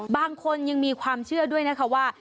บางคนยังมีความเชื่อด้วยนะคะว่า